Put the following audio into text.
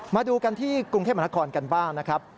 มาดูกันที่กรุงเทพมหานครกันบ้างนะครับ